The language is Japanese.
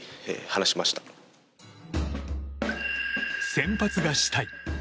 先発がしたい。